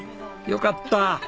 よかった。